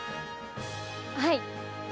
はい！